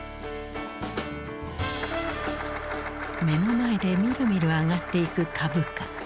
目の前でみるみる上がっていく株価。